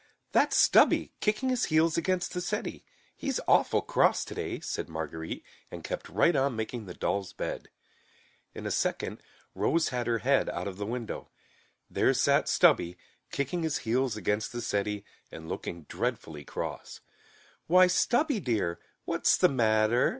"That's Stubby, kicking his heels against the settee. He's awful cross today," said Marguerite, and kept right on making the doll's bed. In a second Rose had her head out of the window. There sat Stubby, kicking his heels against the settee and looking dreadfully cross. "Why, Stubby dear, what's the matter?"